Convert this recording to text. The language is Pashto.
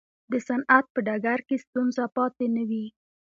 د صنعت په ډګر کې ستونزه پاتې نه وي.